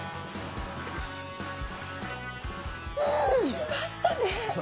うん！来ましたね。